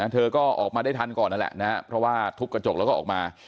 เธอก็ออกมาได้ทันก่อนนั่นแหละนะครับเพราะว่าทุบกระจกแล้วก็ออกมา